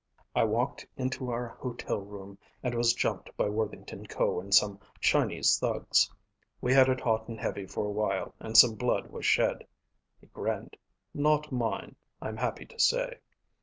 I walked into our hotel room and was jumped by Worthington Ko and some Chinese thugs. We had it hot and heavy for a while and some blood was shed." He grinned. "Not mine, I'm happy to say.